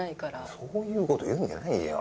そういうこと言うんじゃないよ。